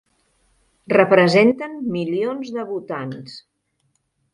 Representen milions de votants!